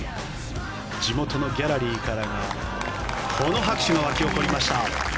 地元のギャラリーからこの拍手が湧き起こりました。